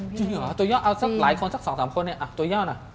จริงเหรอตัวย่อเอาสักหลายคนสัก๒๓คนเนี่ยตัวย่อน่ะ